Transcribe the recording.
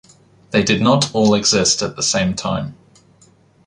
They did not all exist at the same time.